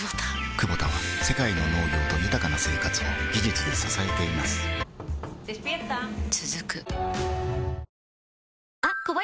クボタは世界の農業と豊かな生活を技術で支えています起きて。